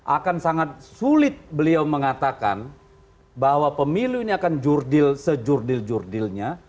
akan sangat sulit beliau mengatakan bahwa pemilu ini akan jurdil sejurdil jurdilnya